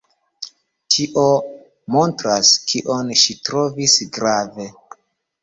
Tio montras, kion ŝi trovis grave.